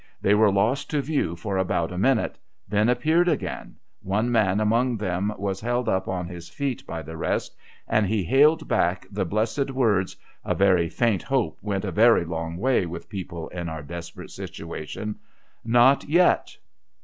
They were lost to view for about a minute ; then appeared again —one man among them was held up on his feet by the rest, and he hailed back the blessed words (a very faint hope went a very long way with people in our desperate situation) :' Not yet